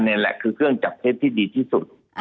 นี่แหละคือเครื่องจับเท็จที่ดีที่สุด